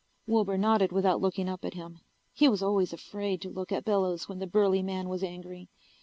Wilbur nodded without looking up at him. He was always afraid to look at Bellows when the burly man was angry.